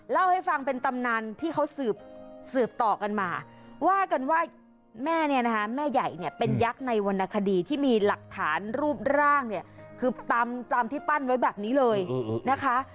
เล่าให้ฟังเป็นตำนานที่เขาสืบต่อกันมาว่ากันว่าแม่เนี่ยนะคะแม่ใหญ่เนี่ยเป็นยักษ์ในวรรณคดีที่มีหลักฐานรูปร่างเนี่ยคือตามที่ปั้นไว้แบบนี้เลยนะคะ